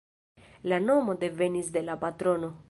La nomo devenis de la patrono.